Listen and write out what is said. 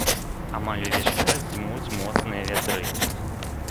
Амаль увесь час дзьмуць моцныя вятры.